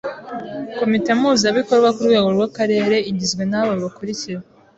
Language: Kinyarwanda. Komite Mpuzabikorwa ku rwego rw’Akarere igizwe n’ababakurikira: